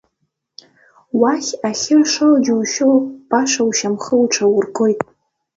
Уахь ахьы ршо џьушьо, баша ушьамхы уҽаургоит.